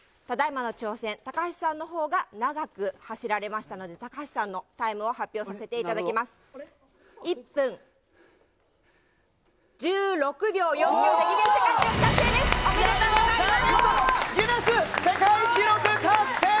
ただいまの挑戦、高橋さんのほうが長く走られましたので、高橋さんのタイムを発表させていただきます。